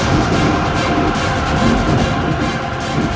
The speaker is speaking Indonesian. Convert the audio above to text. jadi aku danmu berduaer